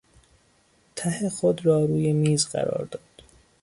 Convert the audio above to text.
ته خود را روی میز قرار داد.